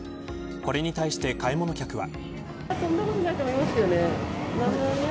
これに対して買い物客は。